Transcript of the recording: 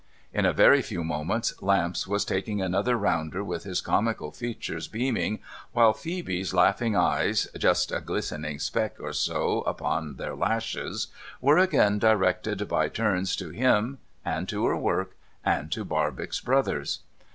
In a very few moments Lamps was taking another rounder with his comical features beaming, while Phoebe's laughing eyes (just a glistening speck or so upon their lashes) were again directed by turns to him, and to her work, and to Barbox Brothers.